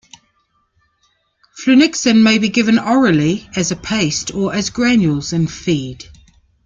Flunixin may be given orally as a paste or as granules in feed.